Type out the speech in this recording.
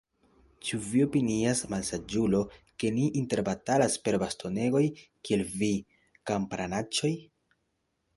Ĉu vi opinias, malsaĝulo, ke ni interbatalas per bastonegoj, kiel vi, kamparanaĉoj?